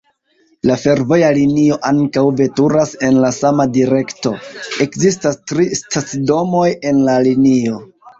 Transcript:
La fervoja linio ankaŭ veturas en la sama direkto. Ekzistas tri stacidomoj en la linio.